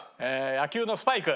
野球のスパイク。